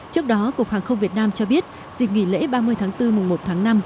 trước đó cục hàng không việt nam cho biết dịp nghỉ lễ ba mươi tháng bốn mùng một tháng năm